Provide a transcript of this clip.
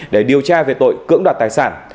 để điều tra về tội cưỡng đoạt tài sản